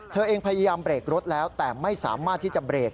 เธอเองพยายามเบรกรถแล้วแต่ไม่สามารถที่จะเบรก